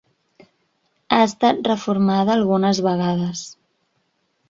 Ha estat reformada algunes vegades.